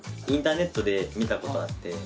インターネットで見たことあって。